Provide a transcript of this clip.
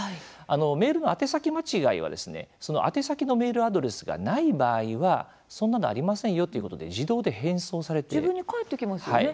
メールの宛先間違いはその宛先のメールアドレスがない場合は、そんなのありませんよっていうことで自分に返ってきますよね。